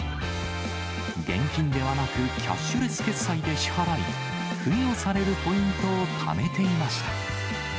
現金ではなくキャッシュレス決済で支払い、付与されるポイントをためていました。